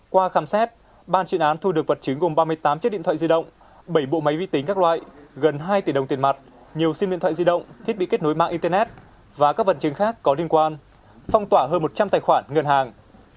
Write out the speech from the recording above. qua khám xét ban chuyên án thu được vật chứng gồm ba mươi tám chiếc điện thoại di động bảy bộ máy vi tính các loại gần hai tỷ đồng tiền mặt nhiều sim điện thoại di động thiết bị kết nối mạng internet và các vật chứng khác có liên quan phong tỏa hơn một trăm linh tài khoản ngân hàng